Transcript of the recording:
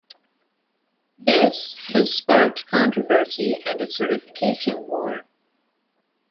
This has sparked controversy and a certification war.